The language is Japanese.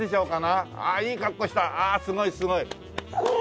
ああすごいすごい。